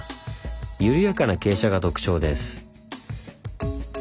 緩やかな傾斜が特徴です。